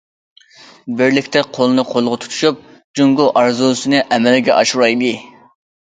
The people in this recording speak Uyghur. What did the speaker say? بىرلىكتە قولنى قولغا تۇتۇشۇپ، جۇڭگو ئارزۇسىنى ئەمەلگە ئاشۇرايلى!